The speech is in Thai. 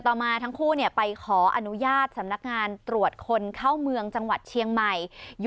ต่อมาทั้งคู่ไปขออนุญาตสำนักงานตรวจคนเข้าเมืองจังหวัดเชียงใหม่